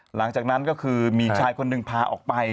หลังจากนั้นก็คือมีชายคนหนึ่งพาออกไป